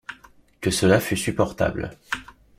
Que cela fût supportable.